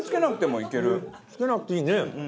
つけなくていいね。